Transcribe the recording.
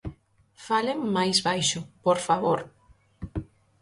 Falen máis baixo, por favor.